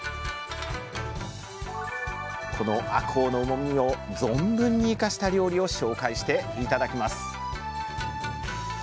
このあこうのうまみを存分に生かした料理を紹介して頂きます。